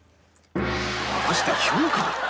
果たして評価は？